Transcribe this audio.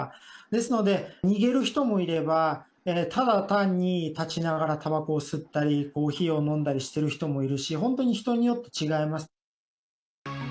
ですので、逃げる人もいれば、ただ単に立ちながらたばこを吸ったり、コーヒーを飲んだりしてる人もいるし、本当に人によって違います。